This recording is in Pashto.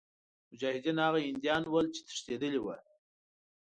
مجاهدین هغه هندیان ول چې تښتېدلي وه.